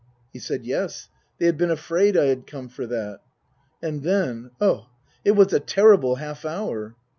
He said, Yes. They had been afraid I had come for that. And then oh, it was a terrible half hour